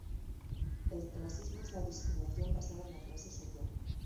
El clasismo es la discriminación basada en la clase social.